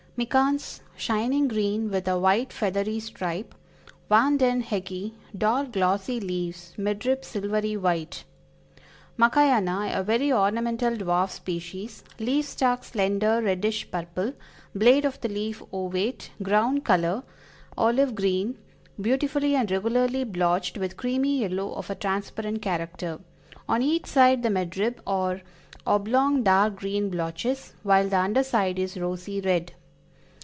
Mikans, shining green with a white feathery stripe. Van den Heckii, dark glossy leaves, mid rib silvery white. Makayana, a very ornamental dwarf species; leaf stalks slender reddish purple, blade of the leaf ovate, ground color, olive green, beautifully and regularly blotched with creamy yellow of a transparent character; on each side the mid rib are oblong dark green blotches, while the under side is rosy red.